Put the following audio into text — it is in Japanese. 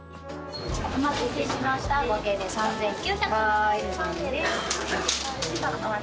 お待たせしました合計で３，９７５円です。